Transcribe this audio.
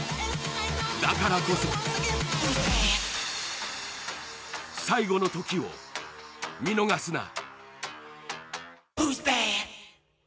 だからこそ最後の時を見逃すな。